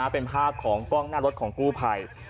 เป็นภาพของกล้องหน้ารถของกู้ภัย